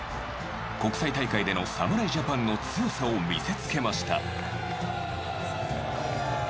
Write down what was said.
国際大会での侍ジャパンの強さを見せつけました。